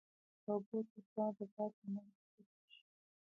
د اوبو څپه د باد له امله پیدا کېږي.